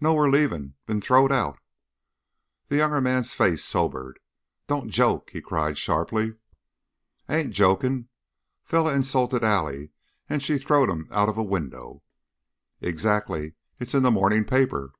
"No. We're leavin' been throwed out." The younger man's face sobered. "Don't joke!" he cried, sharply. "I ain't joking. Feller insulted Allie and she throwed him out of a window " "Exactly! It's in the morning paper."